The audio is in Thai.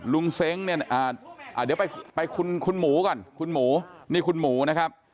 เซ้งเนี่ยเดี๋ยวไปคุณหมูก่อนคุณหมูนี่คุณหมูนะครับ